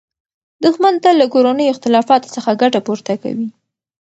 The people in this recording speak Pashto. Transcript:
دښمن تل له کورنیو اختلافاتو څخه ګټه پورته کوي.